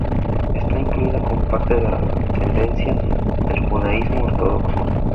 Está incluida como parte de la tendencia del judaísmo ortodoxo.